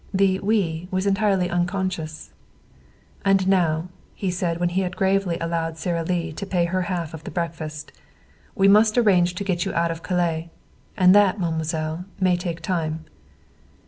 The "we" was entirely unconscious. "And now," he said, when he had gravely allowed Sara Lee to pay her half of the breakfast, "we must arrange to get you out of Calais. And that, mademoiselle, may take time."